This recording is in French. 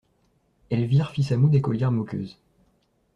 Elvire fit sa moue d'écolière moqueuse.